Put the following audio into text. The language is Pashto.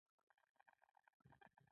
زبردست راغی یوه چاړه یې په ځګر کې وواهه.